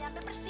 yang wangi oke